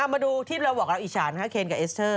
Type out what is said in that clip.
มาดูที่เราบอกเราอิจฉานค่ะเคนกับเอสเตอร์